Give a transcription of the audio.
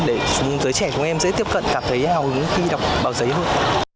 để giới trẻ của em dễ tiếp cận cảm thấy hào hứng khi đọc báo giấy hơn